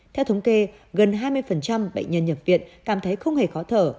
theo thống kê gần hai mươi bệnh nhân nhập viện cảm thấy không hề khó thở